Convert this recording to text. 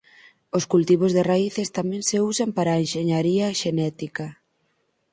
Os cultivos de raíces tamén se usan para a enxeñaría xenética.